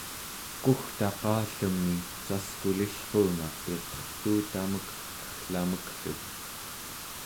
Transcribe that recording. equgtaqatallemni caskulillruunga piqertuutamek kegglamek-llu